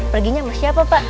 perginya sama siapa pak